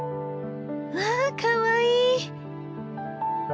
わあかわいい！